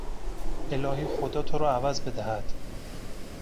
الهی خدا تو را عوض بدهد!